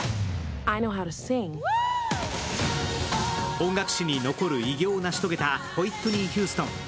音楽史に残る偉業を成し遂げたホイットニー・ヒューストン。